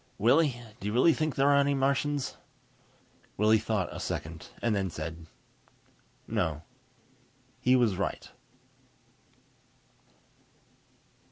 Willie, do you really think there are any Martians?" Willie thought a second and then said, "No." He was right.